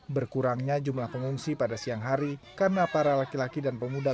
berkurangnya jumlah pengungsi pada siang hari karena para laki laki dan pemuda